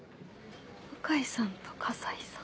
向井さんと河西さん。